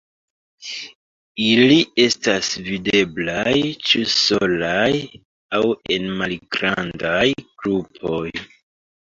Ili estas videblaj ĉu solaj aŭ en malgrandaj grupoj.